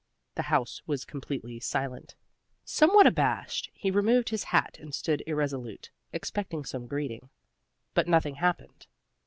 The house was completely silent. Somewhat abashed, he removed his hat and stood irresolute, expecting some greeting. But nothing happened.